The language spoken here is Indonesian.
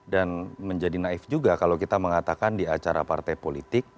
dan menjadi naif juga kalau kita mengatakan di acara partai politik